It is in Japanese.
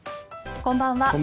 こんばんは。